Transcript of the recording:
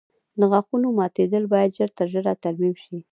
د غاښونو ماتېدل باید ژر تر ژره ترمیم شي.